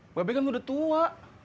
mba be kan udah tua